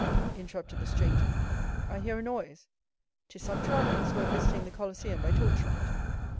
interrupted the stranger; "I hear a noise." "'Tis some travellers, who are visiting the Colosseum by torchlight."